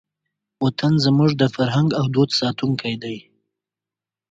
وطن زموږ د فرهنګ او دود ساتونکی دی.